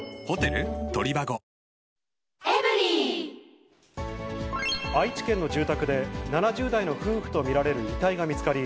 わかるぞ愛知県の住宅で、７０代の夫婦と見られる遺体が見つかり、